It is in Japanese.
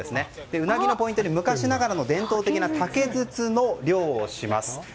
ウナギのポイントに昔ながらの伝統的な竹筒の漁をします。